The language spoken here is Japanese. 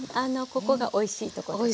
ここがおいしいとこですね。